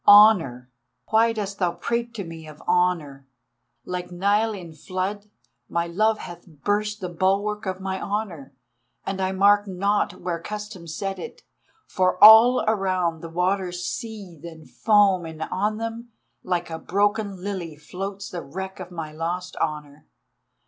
Honour! Why dost thou prate to me of honour? Like Nile in flood, my love hath burst the bulwark of my honour, and I mark not where custom set it. For all around the waters seethe and foam, and on them, like a broken lily, floats the wreck of my lost honour.